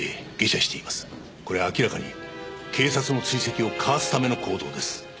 これは明らかに警察の追跡をかわすための行動です。